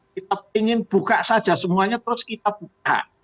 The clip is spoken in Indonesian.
kita ingin buka saja semuanya terus kita buka